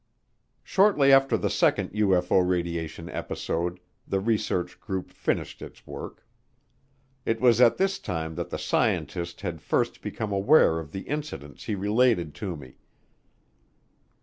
Shortly after the second UFO radiation episode the research group finished its work. It was at this time that the scientist had first become aware of the incidents he related to me.